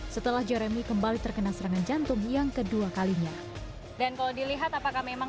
setelah jeremy kembali terkena serangan jantung yang kedua kalinya dan kalau dilihat apakah memang